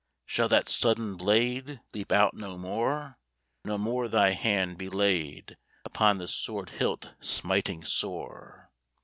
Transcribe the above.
shall that sudden blade Leap out no more? No more thy hand be laid Upon the sword hilt smiting sore?